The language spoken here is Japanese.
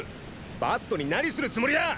バットに何するつもりだ！